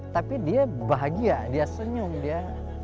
tapi dia bahagia dia senyum dia